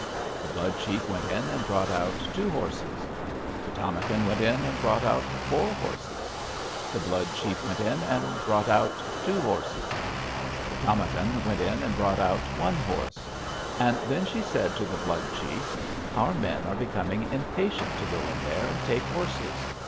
"The Blood chief went in and brought out two horses. "Pi´tamakan went in and brought out four horses. "The Blood chief went in and brought out two horses. "Pi´tamakan went in and brought out one horse. And then she said to the Blood chief: 'Our men are becoming impatient to go in there and take horses.